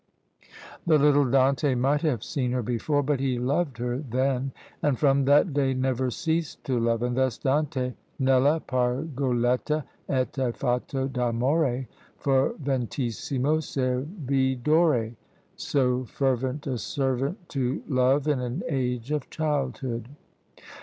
The little Dante might have seen her before, but he loved her then, and from that day never ceased to love; and thus Dante nella pargoletta età fatto d'amore ferventissimo servidore; so fervent a servant to love in an age of childhood!